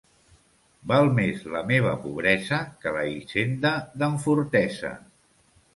Val més la meva pobresa que la hisenda d'en Fortesa.